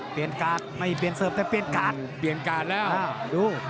การ์ดไม่เปลี่ยนเสิร์ฟแต่เปลี่ยนการ์ดเปลี่ยนการ์ดแล้วดู